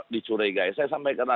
dicurigai saya sampai karena